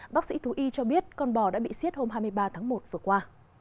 bác sĩ thú y cho biết con bò đã bị xiết hôm hai mươi ba tháng một vừa qua